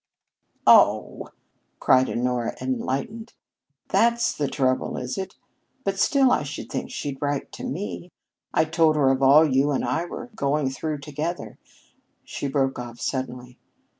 "Oh," cried Honora, enlightened. "That's the trouble, is it? But still, I should think she'd write to me. I told her of all you and I were going through together " she broke off suddenly.